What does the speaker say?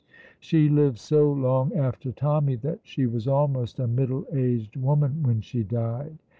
She lived so long after Tommy that she was almost a middle aged woman when she died.